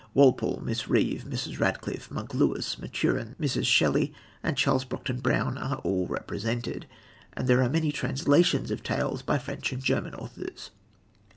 Walpole, Miss Reeve, Mrs. Radcliffe, "Monk" Lewis, Maturin, Mrs. Shelley, and Charles Brockden Brown are all represented; and there are many translations of tales by French and German authors.